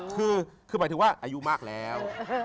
คือหมายถึงว่าอายุมากแล้ว